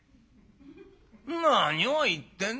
何を言ってんでい。